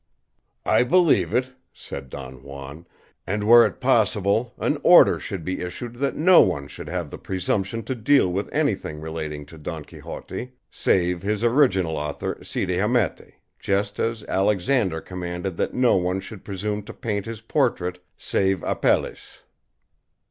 "I believe it," said Don Juan; "and were it possible, an order should be issued that no one should have the presumption to deal with anything relating to Don Quixote, save his original author Cide Hamete; just as Alexander commanded that no one should presume to paint his portrait save Apelles."